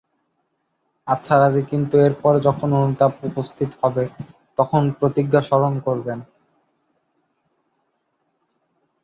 আচ্ছা রাজি, কিন্তু এর পরে যখন অনুতাপ উপস্থিত হবে তখন প্রতিজ্ঞা স্মরণ করবেন।